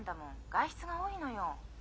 外出が多いのよ。